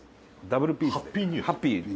ダブルピースで。